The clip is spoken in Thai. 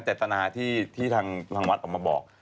เจตนาที่ทางวัดออกมาบอก